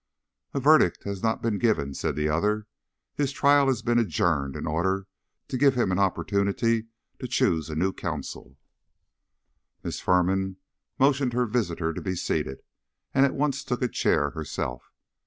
"A verdict has not been given," said the other. "His trial has been adjourned in order to give him an opportunity to choose a new counsel." Miss Firman motioned her visitor to be seated, and at once took a chair herself.